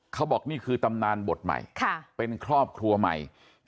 เขาบอกนี่คือตำนานบทใหม่เป็นครอบครัวใหม่